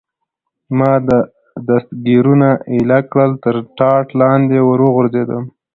ما دستګیرونه ایله کړل، تر ټاټ لاندې ور وغورځېدم.